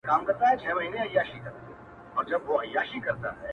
• لا ورکه له ذاهدهیاره لار د توبې نه ده..